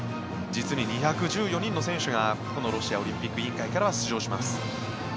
実に２１４人の選手がこのロシアオリンピック委員会からは出場します。